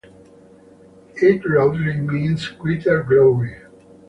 It roughly means "greater glory".